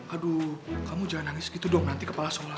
aduh kamu jangan nangis gitu dong nanti kepala sekolah